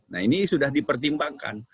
nah ini sudah dipertimbangkan